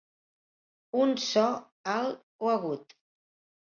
Un so alt o agut.